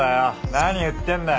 何言ってんだよ。